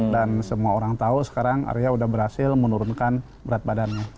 dan semua orang tahu sekarang arya udah berhasil menurunkan berat badannya